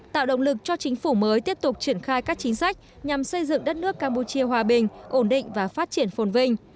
tạo động lực cho chính phủ mới tiếp tục triển khai các chính sách nhằm xây dựng đất nước campuchia hòa bình ổn định và phát triển phồn vinh